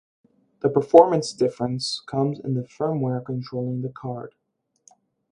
The performance difference comes in the firmware controlling the card.